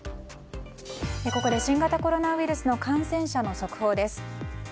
ここで新型コロナウイルスの感染者の速報です。